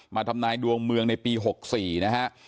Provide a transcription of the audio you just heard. ทำนายดวงเมืองในปี๖๔นะฮะ